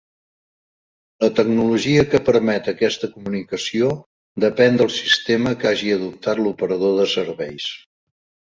La tecnologia que permet aquesta comunicació depèn del sistema que hagi adoptat l'operador de serveis.